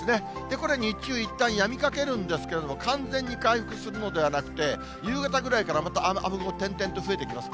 これ、日中いったんやみかけるんですけれども、完全に回復するのではなくて、夕方ぐらいからまた雨雲点々と増えてきます。